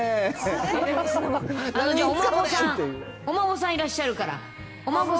丸ちゃん、お孫さん、いらっしゃるから。